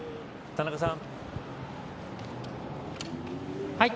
田中さん。